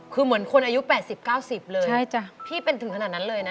คือเหมือนคนอายุ๘๐๙๐เลยพี่เป็นถึงขนาดนั้นเลยนะ